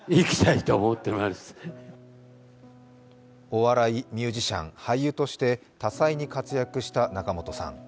お笑い、ミュージシャン、俳優として多才に活躍した仲本さん。